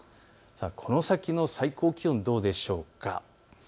この先の最高気温どうでしょうか。